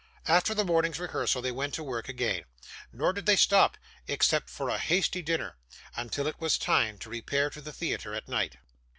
After the morning's rehearsal they went to work again, nor did they stop, except for a hasty dinner, until it was time to repair to the theatre at night.